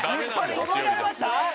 覚えられました？